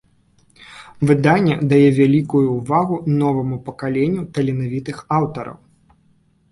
Выданне дае вялікую ўвагу новаму пакаленню таленавітых аўтараў.